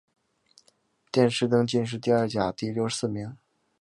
殿试登进士第二甲第六十四名。